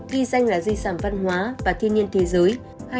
ghi danh là di sản văn hóa và thiên nhiên thế giới hai nghìn một mươi hai nghìn hai mươi